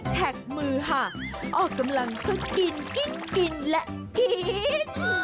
แขกมือฮะออกกำลังก็กินกินกินและกิน